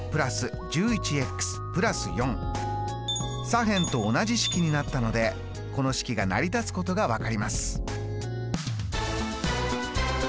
左辺と同じ式になったのでこの式が成り立つことが分かります。